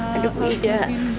aduh bu ida